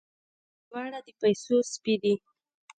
دواړه د پيسو سپي دي.